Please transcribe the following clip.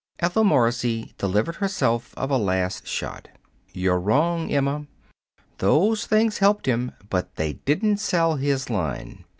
Ethel Morrissey delivered herself of a last shot. "You're wrong, Emma. Those things helped him, but they didn't sell his line.